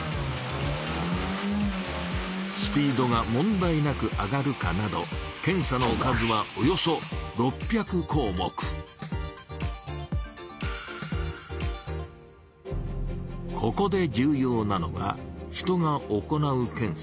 スピードが問題なく上がるかなどここで重要なのが人が行う検査です。